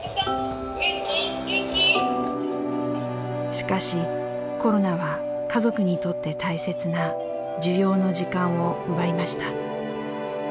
しかし、コロナは家族にとって大切な受容の時間を奪いました。